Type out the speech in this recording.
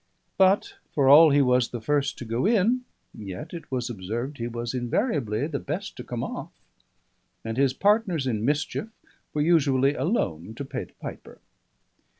But for all he was the first to go in, yet it was observed he was invariably the best to come off; and his partners in mischief were usually alone to pay the piper.